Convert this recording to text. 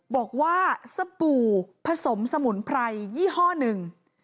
บอกว่าสบู่ผสมสมุนไพรยี่ห้อหนึ่ง